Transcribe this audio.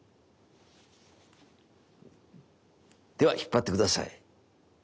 では引っ張って下さい。